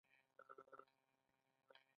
ورزش د زړه فعالیت ښه کوي